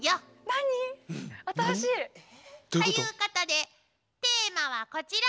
どういうこと？ということでテーマはこちら！